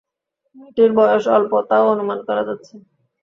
মেয়েটির বয়স অল্প তাও অনুমান করা যাচ্ছে।